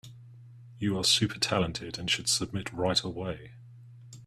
You are super talented and should submit right away.